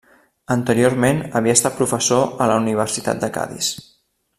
Anteriorment havia estat professor a la Universitat de Cadis.